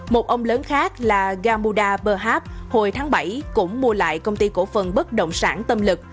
một ông lớn khác là gamuda berhab hồi tháng bảy cũng mua lại công ty cổ phần bất động sản tâm lực